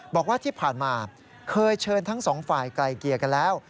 บอกว่าที่ผ่านมาเคยเชิญทั้งสองฝ่ายไกลเกลี่ยกันแล้ว